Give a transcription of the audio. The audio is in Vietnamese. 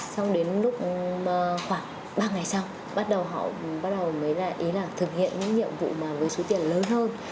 xong đến lúc khoảng ba ngày sau bắt đầu họ mới là thực hiện những nhiệm vụ mà với số tiền lớn hơn